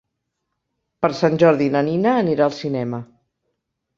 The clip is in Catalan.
Per Sant Jordi na Nina anirà al cinema.